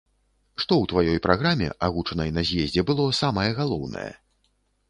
Што ў тваёй праграме, агучанай на з'ездзе, было самае галоўнае?